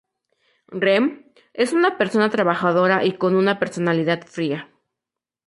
Rem es una persona trabajadora y con una personalidad fría.